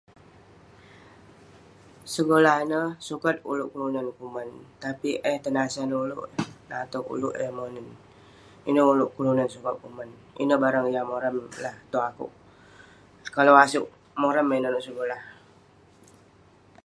Segolah ineh sukat ulouk kelunan kuman tapik eh tenasan ulouk eh, natog ulouk eh monen. Ineh ulouk kelunan sukat kuman. Ineh barang yah moram lah tong akouk. Kalau asouk, moram eh nanouk segolah.